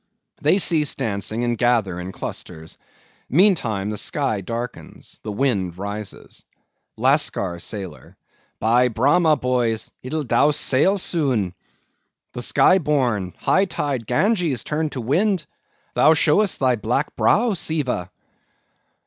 (They cease dancing, and gather in clusters. Meantime the sky darkens—the wind rises.) LASCAR SAILOR. By Brahma! boys, it'll be douse sail soon. The sky born, high tide Ganges turned to wind! Thou showest thy black brow, Seeva!